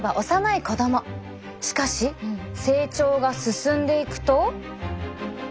しかし成長が進んでいくと。